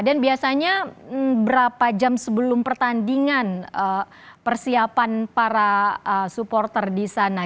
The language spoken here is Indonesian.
dan biasanya berapa jam sebelum pertandingan persiapan para supporter di sana